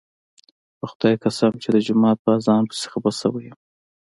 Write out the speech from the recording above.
په خدای قسم چې د جومات په اذان پسې خپه شوی یم.